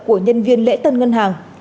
của nhân viên lễ tân ngân hàng